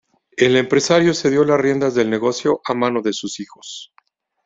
El empresario cedió las riendas del negocio a manos de sus hijos.